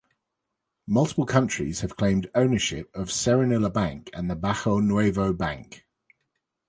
Multiple countries have claimed ownership of Serranilla Bank and the Bajo Nuevo Bank.